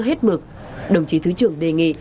hết mực đồng chí thứ trưởng đề nghị